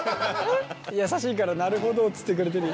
優しいからなるほどっつってくれてる。